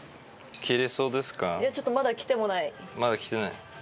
まだ着てない。